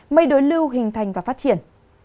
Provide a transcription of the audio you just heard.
mây đối lưu hình thành và phát triển